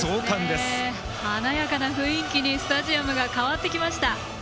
華やかな雰囲気にスタジアムが変わってきました。